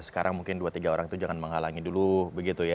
sekarang mungkin dua tiga orang itu jangan menghalangi dulu begitu ya